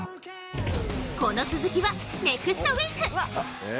この続きはネクストウィーク。